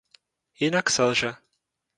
Jinak selže.